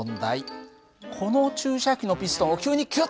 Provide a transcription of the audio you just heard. この注射器のピストンを急にキュッと引っ張る。